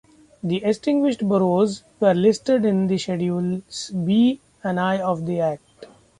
The extinguished boroughs were listed in schedules B and I of the Act.